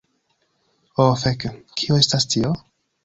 Ho fek. Kio estas tio?